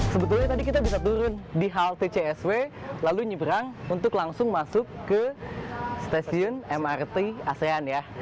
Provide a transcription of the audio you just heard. sebetulnya tadi kita bisa turun di halte csw lalu nyeberang untuk langsung masuk ke stasiun mrt asean ya